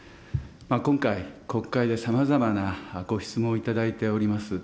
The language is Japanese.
今回、国会でさまざまなご質問いただいております。